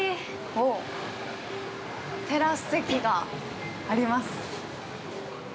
おっ、テラス席があります。